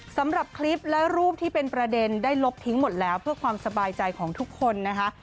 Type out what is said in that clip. สำหรับคลิปและรูปที่เป็นประเด็นได้ลบทิ้งหมดแล้วเพื่อความสบายใจของทุกคนนะคะ